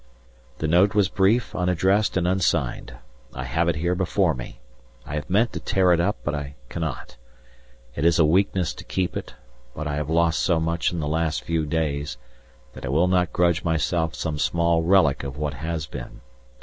The note was brief, unaddressed and unsigned. I have it here before me; I have meant to tear it up but I cannot. It is a weakness to keep it, but I have lost so much in the last few days, that I will not grudge myself some small relic of what has been.